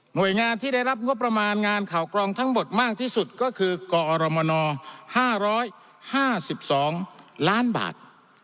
โดยงานที่ได้รับงบประมาณงานข่าวกรองทั้งหมดมากที่สุดก็คือกอรมน๕๕๒ล้านบาท